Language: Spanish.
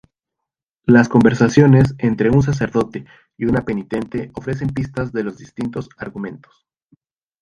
Las conversaciones entre un sacerdote y una penitente ofrecen pistas de los distintos argumentos.